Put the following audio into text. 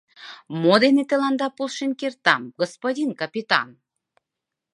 — Мо дене тыланда полшен кертам, господин капитан?